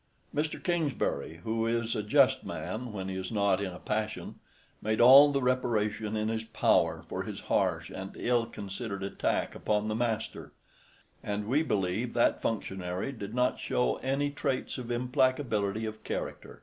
Mr. Kingsbury, who is a just man when he is not in a passion, made all the reparation in his power for his harsh and ill considered attack upon the master; and we believe that functionary did not show any traits of implacability of character.